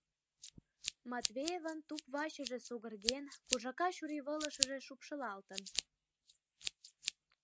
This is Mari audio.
Матвеевын туп-вачыже сугырген, кужака чурийвылышыже шупшылалтын.